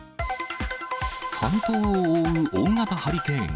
半島を覆う大型ハリケーン。